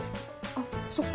あっそっか。